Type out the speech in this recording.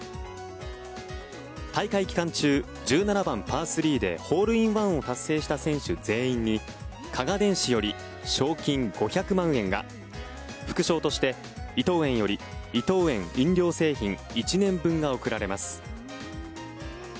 大会期間中１７番、パー３でホールインワンを達成した選手全員に加賀電子より賞金５００万円が副賞として、伊藤園より伊藤園飲料製品１年分が贈られます。